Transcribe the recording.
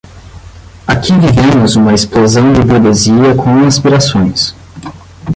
Aqui vivemos uma explosão de burguesia com aspirações.